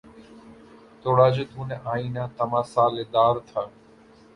توڑا جو تو نے آئنہ تمثال دار تھا